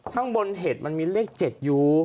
ข้างบนเห็ดมันมีเลข๗อยู่